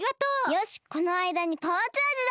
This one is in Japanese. よしこのあいだにパワーチャージだ！